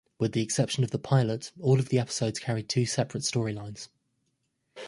With the exception of the pilot, all of the episodes carried two separate storylines.